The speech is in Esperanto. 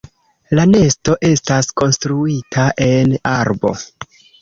La nesto estas konstruita en arbo.